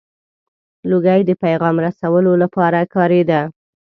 • لوګی د پیغام رسولو لپاره کارېده.